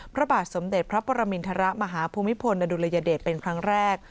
พระบาทสมเด็จพระปรมินทรมาฮภูมิพลอดุลยเดชเป็นครั้งแรก